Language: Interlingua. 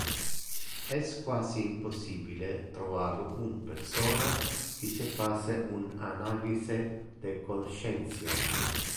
Es quasi impossibile trovar un persona qui se face un analyse de conscientia.